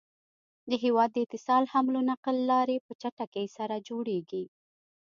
د هيواد د اتصال حمل نقل لاری په چټکی سره جوړيږي